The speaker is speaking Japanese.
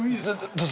どうぞ。